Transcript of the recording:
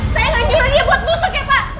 saya enggak nyuruh dia buat musuh pak